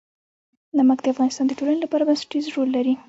نمک د افغانستان د ټولنې لپاره بنسټيز رول لري.